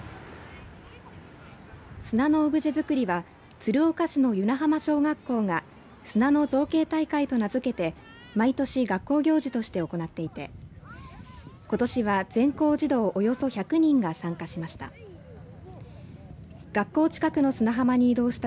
砂のオブジェづくりは鶴岡市の湯野浜小学校が砂の造形大会と名付けて毎年、学校行事として行っていて、ことしは全校児童およそ１００人が参加しました。